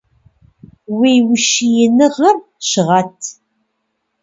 Уи ущииныгъэр щыгъэт!